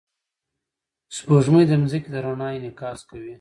سپوږمۍ د ځمکې د رڼا انعکاس کوي